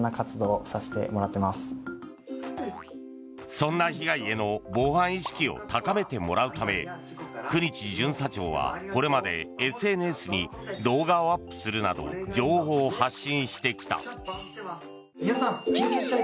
そんな被害への防犯意識を高めてもらうため九日巡査長は、これまでＳＮＳに動画をアップするなど情報を発信してきた。